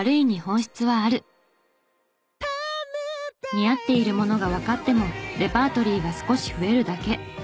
似合っているものがわかってもレパートリーが少し増えるだけ。